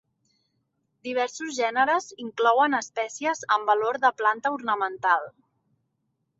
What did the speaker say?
Diversos gèneres inclouen espècies amb valor de planta ornamental.